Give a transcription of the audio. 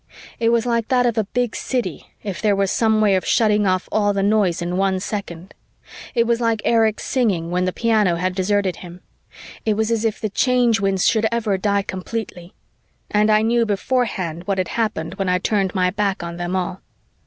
It was like that of a big city if there were some way of shutting off all the noise in one second. It was like Erich's singing when the piano had deserted him. It was as if the Change Winds should ever die completely ... and I knew beforehand what had happened when I turned my back on them all.